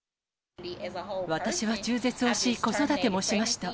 私は中絶をし、子育てもしました。